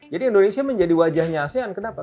jadi indonesia menjadi wajahnya asean kenapa